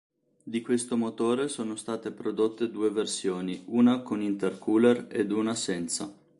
Di questo motore sono state prodotte due versioni, una con intercooler ed una senza.